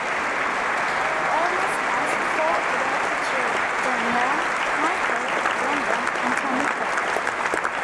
Olmos has four adopted children: Daniela, Michael, Brandon, and Tamiko.